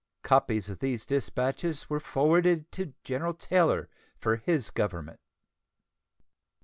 Copies of these dispatches were forwarded to General Taylor for his government.